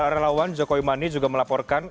relawan jokowi mani juga melaporkan